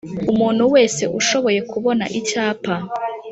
Umuntu wese ushoboye kubona icyapa